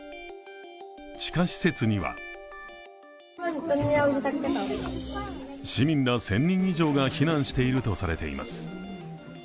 地下施設には市民ら１０００人以上が避難しているとされています。